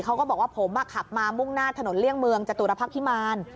เขาก็บอกว่าผมขับมามุ่งหน้าถนนเลี่ยงเมืองจตุรพักษ์พิมาร